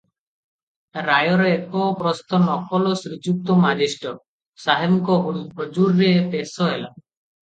ରାୟର ଏକ ପ୍ରସ୍ତ ନକଲ ଶ୍ରୀଯୁକ୍ତ ମାଜିଷ୍ଟର ସାହେବଙ୍କ ହଜୁରରେ ପେଶ ହେଲା ।